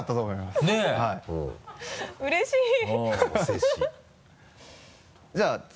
うれしい